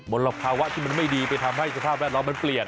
ลภาวะที่มันไม่ดีไปทำให้สภาพแวดล้อมมันเปลี่ยน